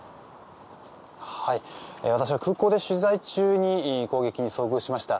私は空港で取材中に攻撃に遭遇しました。